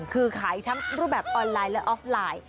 คือขายทั้งรูปแบบออนไลน์และออฟไลน์